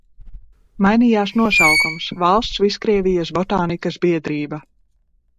"Mainījās nosaukums – "Valsts Viskrievijas botānikas biedrība"."